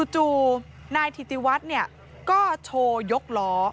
จู่นายถิติวัฒน์ก็โชว์ยกล้อ